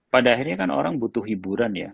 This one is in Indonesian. pada akhirnya kan orang butuh hiburan ya